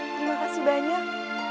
terima kasih banyak